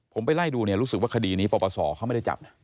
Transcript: ผมไปไล่ดูเนี่ยรู้สึกว่าคดีนี้ปปศเขาไม่ได้จับนะ